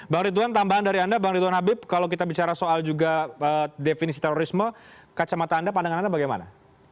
bang ridwan tambahan dari anda bang ridwan habib kalau kita bicara soal juga definisi terorisme kacamata anda pandangan anda bagaimana